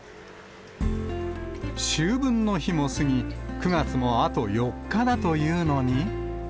秋分の日も過ぎ、９月もあと４日だというのに。